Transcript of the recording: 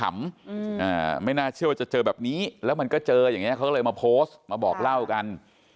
ไม่น่าเชื่อว่าจะเจอแบบนี้แล้วมันก็เจออย่างนี้เขาก็เลยมาโพสต์มาบอกเล่ากัน